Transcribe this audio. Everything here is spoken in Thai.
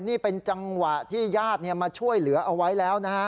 นี่เป็นจังหวะที่ญาติมาช่วยเหลือเอาไว้แล้วนะฮะ